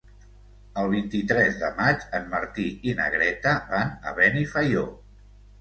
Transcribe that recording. El vint-i-tres de maig en Martí i na Greta van a Benifaió.